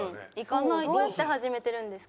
どうやって始めてるんですか？